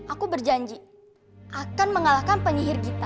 aku berjanji akan mengalahkan penyihir kita